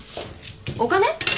お金？